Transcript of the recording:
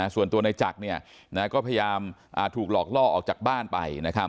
ส่วนตัวในจักรก็พยายามถูกหลอกล่อออกจากบ้านไป